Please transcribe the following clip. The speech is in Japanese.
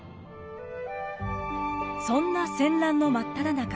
そんな戦乱の真っただ中。